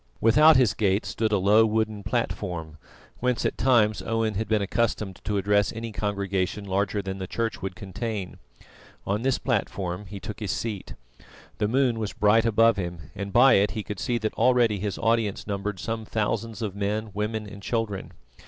Without his gate stood a low wooden platform, whence at times Owen had been accustomed to address any congregation larger than the church would contain. On this platform he took his seat. The moon was bright above him, and by it he could see that already his audience numbered some thousands of men, women and children.